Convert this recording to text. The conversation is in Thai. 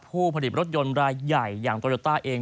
ผู้ผลิตรถยนต์รายใหญ่อย่างโตโยต้าเอง